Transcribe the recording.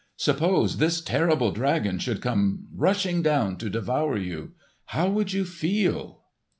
Suppose this terrible dragon should come rushing down to devour you. How would you feel?"